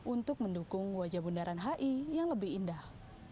untuk mendukung wajah bundaran hi yang lebih indah